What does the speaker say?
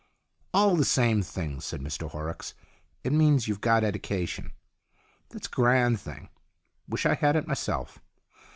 " All the same thing," said Mr Horrocks. " It means you've got eddication. That's a grand thing. Wish I had it myself.